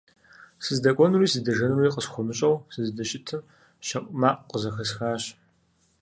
СыздэкӀуэнури сыздэжэнури къысхуэмыщӀэу сыздэщытым, щэӀу макъ къызэхэсхащ.